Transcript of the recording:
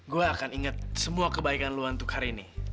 gue akan inget semua kebaikan lu untuk hari ini